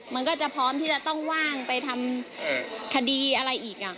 มันก็จะพร้อมที่จะต้องว่างไปทำคดีอะไรอีก